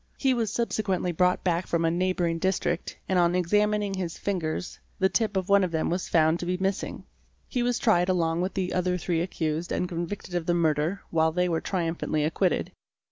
He was subsequently brought back from a neighbouring district and on ex amining his fingers the tip of one of them was found to be missing. He was tried along with the other three accused and convicted of the murder, while they were triumphantly acquitted.